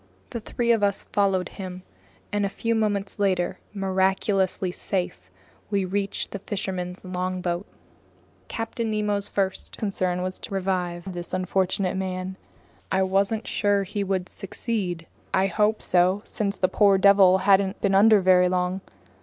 The three of us followed him, and a few moments later, miraculously safe, we reached the fisherman's longboat. Captain Nemo's first concern was to revive this unfortunate man. I wasn't sure he would succeed. I hoped so, since the poor devil hadn't been under very long.